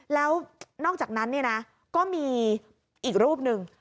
แล้วนอกจากนั้นเนี่ยนะก็มีอีกรูปหนึ่ง